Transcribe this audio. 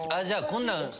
じゃあこんなん。